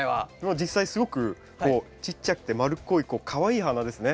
実際すごくこうちっちゃくて丸っこいかわいい花ですね。